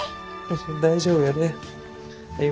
大丈夫やで歩。